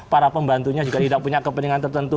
para pembantunya juga tidak punya kepentingan tertentu